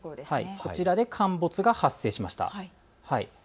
こちらで陥没が発生しました。